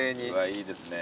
いいですね。